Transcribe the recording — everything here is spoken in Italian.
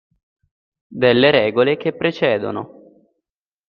Delle regole che precedono.